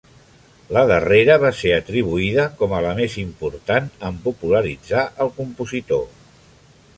La darrera va ser atribuïda com a la més important en popularitzar el compositor.